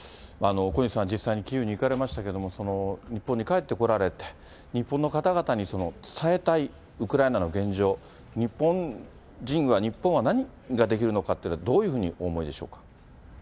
小西さんは実際にキーウに行かれましたけれども、日本に帰ってこられて、日本の方々に伝えたいウクライナの現状、日本人は、日本は何ができるのかっていうのをどういうふうにお思いでしょう